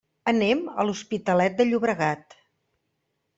Anem a l'Hospitalet de Llobregat.